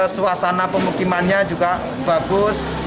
suasana pemukimannya juga bagus